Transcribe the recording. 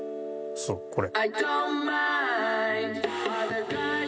そうこれ。